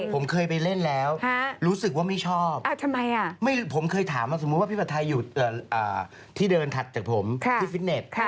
ผมเคยไปเล่นแล้วรู้สึกว่าไม่ชอบผมเคยถามมาสมมุติว่าพี่ผัดไทยอยู่ที่เดินถัดจากผมที่ฟิตเน็ต